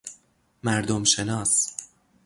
مردم شناس